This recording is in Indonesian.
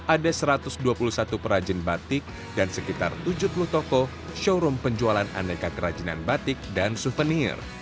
ada satu ratus dua puluh satu perajin batik dan sekitar tujuh puluh toko showroom penjualan aneka kerajinan batik dan suvenir